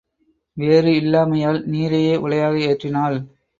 வேறு இல்லாமையால் நீரையே உலையாக ஏற்றினாள்.